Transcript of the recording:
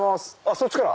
そっちから？